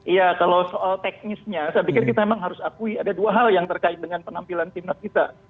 iya kalau soal teknisnya saya pikir kita memang harus akui ada dua hal yang terkait dengan penampilan timnas kita